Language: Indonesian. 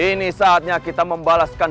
ini saatnya kita membalaskan